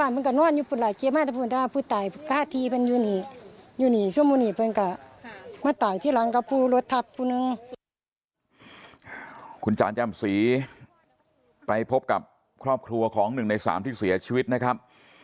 ผู้รถทัพคู่นึงคุณจานจ้ำศรีไปพบกับครอบครัวของหนึ่งในสามที่เสียชีวิตนะครับ